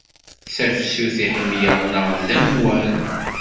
D tafsut i tḥemmleḍ neɣ d amwan?